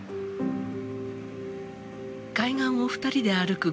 海岸を２人で歩く